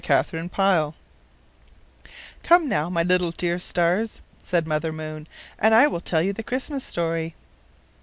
KATHERINE PYLE "Come now, my dear little stars," said Mother Moon, "and I will tell you the Christmas story."